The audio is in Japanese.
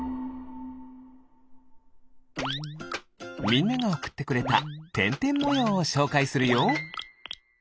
みんながおくってくれたてんてんもようをしょうかいするよ。